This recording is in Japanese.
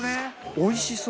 おいしそう。